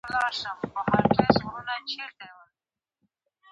باید د غذایي ځنځیر په ټولو برخو کې مؤثر کنټرول وي.